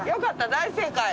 大正解。